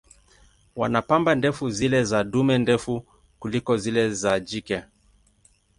Wana pamba ndefu, zile za dume ndefu kuliko zile za jike.